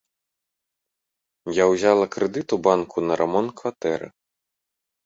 Я ўзяла крэдыт у банку на рамонт кватэры.